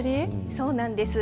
そうなんです。